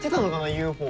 ＵＦＯ。